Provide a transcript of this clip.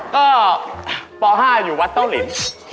ก็ป๕อยู่วัดโต้ลิน